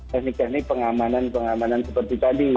teknik teknik pengamanan pengamanan seperti tadi